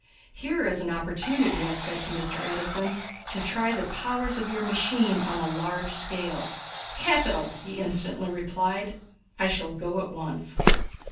"Here is an opportunity," I said to Mr. Edison, "to try the powers of your machine on a large scale." "Capital!" he instantly replied. "I shall go at once."